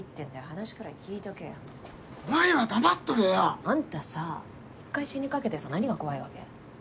話くらい聞いとけよお前は黙っとれよあんたさ一回死にかけてさ何が怖いわけ？